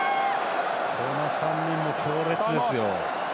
この３人も強烈ですよ。